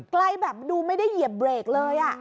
แบบดูไม่ได้เหยียบเบรกเลย